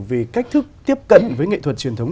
về cách thức tiếp cận với nghệ thuật truyền thống